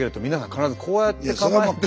必ずこうやって構えてて。